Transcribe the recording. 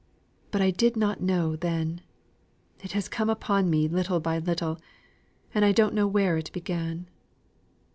But I did not know then. It has come upon me little by little, and I don't know where it began.